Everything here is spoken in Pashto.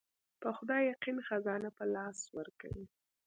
په خدای يقين خزانه په لاس ورکوي.